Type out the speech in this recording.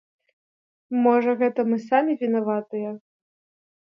Можа, гэта мы самі вінаватыя?